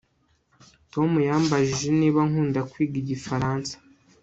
Tom yambajije niba nkunda kwiga igifaransa